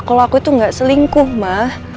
kalau aku itu nggak selingkuh ma